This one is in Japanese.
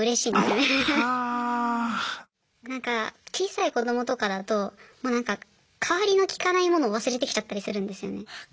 なんか小さい子どもとかだと代わりの利かないものを忘れてきちゃったりするんですよね。